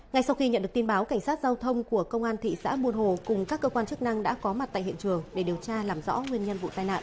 ngay sau khi nhận được tin báo cảnh sát giao thông của công an thị xã buôn hồ cùng các cơ quan chức năng đã có mặt tại hiện trường để điều tra làm rõ nguyên nhân vụ tai nạn